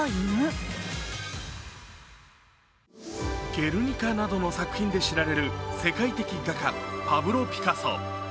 「ゲルニカ」などの作品で知られる世界的画家・パブロ・ピカソ。